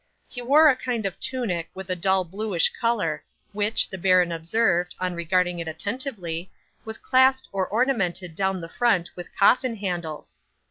He wore a kind of tunic of a dull bluish colour, which, the baron observed, on regarding it attentively, was clasped or ornamented down the front with coffin handles.